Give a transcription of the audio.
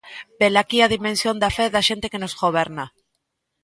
Velaquí a dimensión da fe da xente que nos goberna.